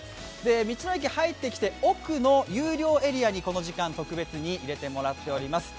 道の駅入ってきて、奥のエリアにこの時間、特別に入れていただいております。